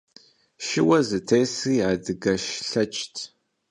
Шыуэ зытесри адыгэш лъэчт.